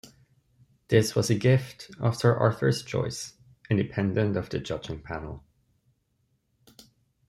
This was a gift of Sir Arthur's choice, independent of the judging panel.